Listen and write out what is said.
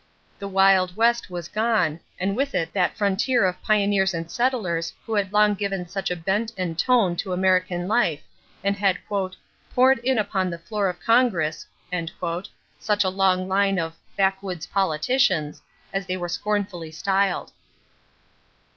The "wild west" was gone, and with it that frontier of pioneers and settlers who had long given such a bent and tone to American life and had "poured in upon the floor of Congress" such a long line of "backwoods politicians," as they were scornfully styled.